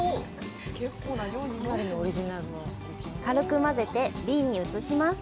軽く混ぜて瓶に移します。